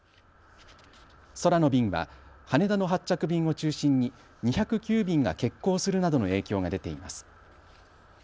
空の便は羽田の発着便を中心に２０９便が欠航するなどの影響が出ています。